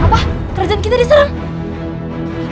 apa kerajaan kita diserang